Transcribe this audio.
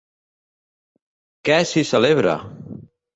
Què s'hi celebra?